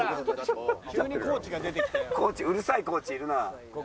コーチうるさいコーチいるな。